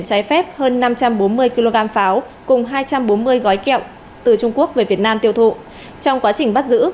trái phép hơn năm trăm bốn mươi kg pháo cùng hai trăm bốn mươi gói kẹo từ trung quốc về việt nam tiêu thụ trong quá trình bắt giữ